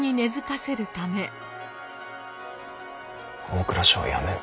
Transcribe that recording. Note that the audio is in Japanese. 大蔵省を辞める。